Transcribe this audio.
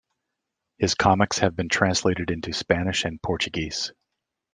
His comics have been translated into Spanish and Portuguese.